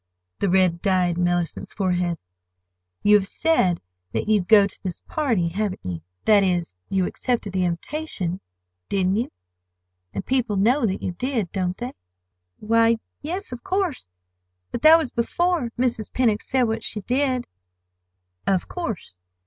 The red dyed Mellicent's forehead. "You have said that you'd go to this party, haven't you? That is, you accepted the invitation, didn't you, and people know that you did, don't they?" "Why, yes, of course! But that was before—Mrs. Pennock said what she did." "Of course.